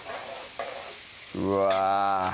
うわ